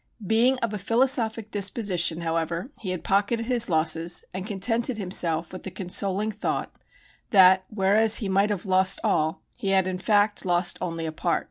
Being of a philosophic disposition, however, he had pocketed his losses and contented himself with the consoling thought that, whereas he might have lost all, he had in fact lost only a part.